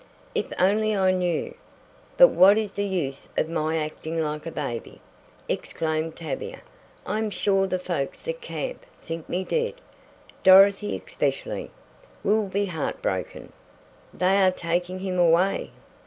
"If only I knew But what is the use of my acting like a baby?" exclaimed Tavia. "I am sure the folks at camp think me dead. Dorothy, especially, will be heartbroken." "They are taking him away!"